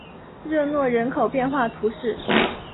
热诺人口变化图示